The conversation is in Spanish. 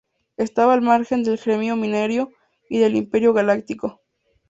Estaba al margen del gremio minero y del Imperio Galáctico.